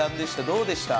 どうでした？